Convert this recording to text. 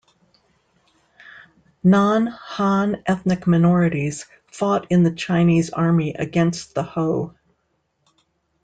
Non-Han ethnic minorities fought in the Chinese army against the Ho.